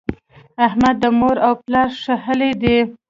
احمد د مور او پلار ښهلی دی.